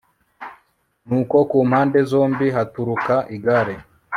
nuko ku mpande zombi haturuka igare